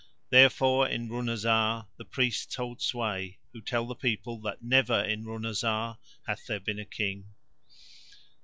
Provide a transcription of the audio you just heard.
Therefore in Runazar the priests hold sway, who tell people that never in Runazar hath there been a King.